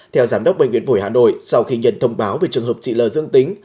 theo giám đốc bệnh viện phổi hà nội sau khi nhận thông báo về trường hợp chị lư dương tính